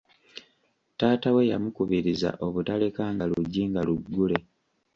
Taata we yamukubiriza obutalekanga luggi nga luggule.